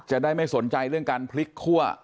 จะได้ไม่สนใจเรื่องการพลิกคั่ว